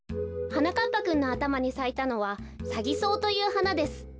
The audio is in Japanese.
はなかっぱくんのあたまにさいたのはサギソウというはなです。